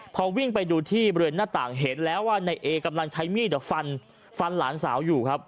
พอวิ่งไปดูที่บริเวณหน้าต่างเห็นแล้วว่านายเอกำลังใช้มีดฟันฟันหลานสาวอยู่ครับ